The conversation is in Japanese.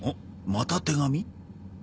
また手紙？